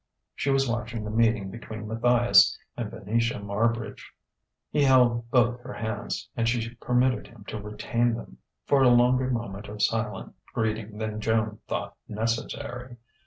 She was watching the meeting between Matthias and Venetia Marbridge. He held both her hands, and she permitted him to retain them, for a longer moment of silent greeting than Joan thought necessary.